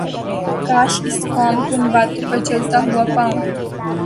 کاش اس قوم کو ان باتوں پر چلتا ھوا پاؤں